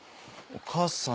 お母さん？